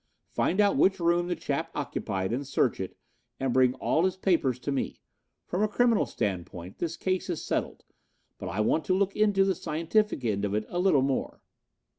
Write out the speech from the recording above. Find out which room the chap occupied and search it, and bring all his papers to me. From a criminal standpoint, this case is settled, but I want to look into the scientific end of it a little more."